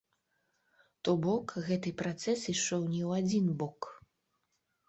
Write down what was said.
То бок гэты працэс ішоў не ў адзін бок.